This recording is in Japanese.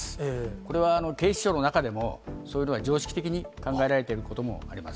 これは警視庁の中でも、そういうのは常識的に考えられていることもあります。